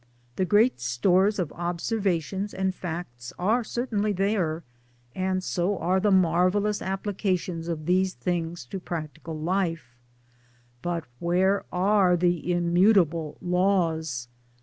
The great stores of observations and facts are certainly there, and so are the marvellous applica tions of these things to practical life but where are the immutable Laws?